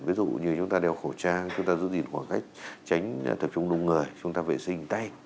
ví dụ như chúng ta đeo khẩu trang chúng ta giữ gìn khoảng cách tránh tập trung đông người chúng ta vệ sinh tay